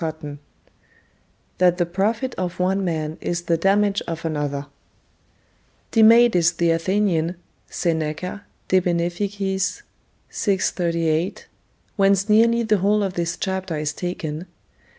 CHAPTER XXI THAT THE PROFIT OF ONE MAN IS THE DAMAGE OF ANOTHER Demades the Athenian [Seneca, De Beneficiis, vi. 38, whence nearly the whole of this chapter is taken.